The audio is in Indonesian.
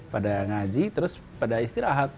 pada ngaji terus pada istirahat